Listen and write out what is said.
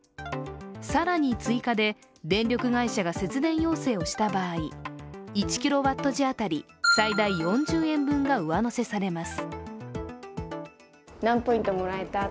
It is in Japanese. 更に追加で電力会社が節電要請をした場合１ｋＷ時当たり最大４０円分が上乗せされます。